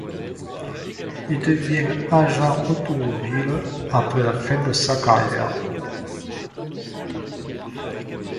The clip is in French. Il devint agent automobile après la fin de sa carrière.